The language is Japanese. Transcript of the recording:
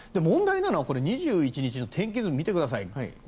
問題なのは２１日の天気図を見てください。